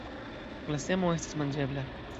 La semo estas manĝebla.